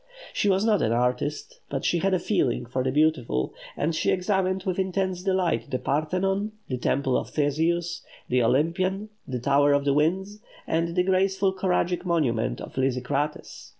She was not an artist, but she had a feeling for the beautiful; and she examined with intense delight the Parthenon, the Temple of Theseus, the Olympian, the Tower of the Winds, and the graceful choragic monument of Lysicrates.